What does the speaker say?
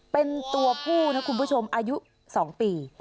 เป็นตัวผู้นะคุณผู้ชมอายุ๒ปี